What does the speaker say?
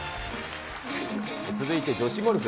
続いて女子ゴルフ。